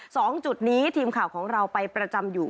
สองจุดนี้ทีมข่าวของเราไปประจำอยู่